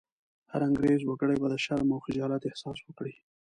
هر انګرېز وګړی به د شرم او خجالت احساس وکړي.